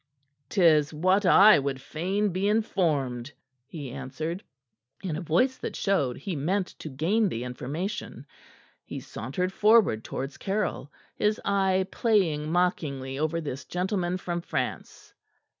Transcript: "'Tis what I would fain be informed," he answered in a voice that showed he meant to gain the information. He sauntered forward towards Caryll, his eye playing mockingly over this gentleman from France.